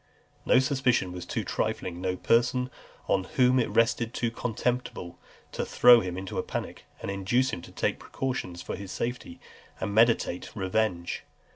XXXVII. No suspicion was too trifling, no person on whom it rested too contemptible, to throw him into a panic, and induce him to take precautions for his safety, and meditate revenge.